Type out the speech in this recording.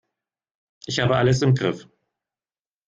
Ich habe alles im Griff.